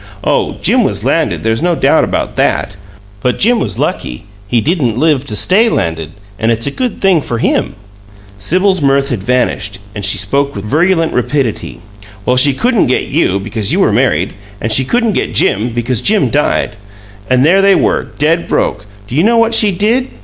Oh, Jim was landed there's no doubt about THAT! But Jim was lucky; he didn't live to STAY landed, and it's a good thing for him!" Sibyl's mirth had vanished, and she spoke with virulent rapidity. "Well, she couldn't get you, because you were married, and she couldn't get Jim, because Jim died. And there they were, dead broke! Do you know what she did?